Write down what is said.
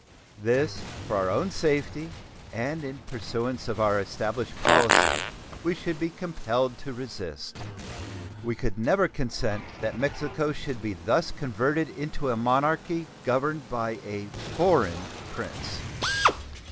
This, for our own safety and in pursuance of our established policy, we should be compelled to resist. We could never consent that Mexico should be thus converted into a monarchy governed by a foreign prince.